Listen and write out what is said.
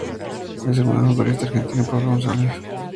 Es hermano del futbolista argentino Pablo González.